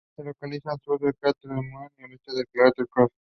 Se localiza al sur del cráter Maunder, y al oeste del cráter Kopff.